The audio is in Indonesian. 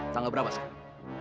tanggal berapa sekarang